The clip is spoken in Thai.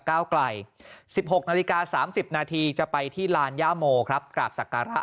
ก้าวไกล๑๖นาฬิกา๓๐นาทีจะไปที่ลานย่าโมครับกราบสักการะ